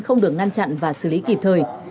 không được ngăn chặn và xử lý kịp thời